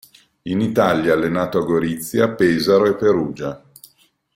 In Italia, ha allenato a Gorizia, Pesaro e Perugia.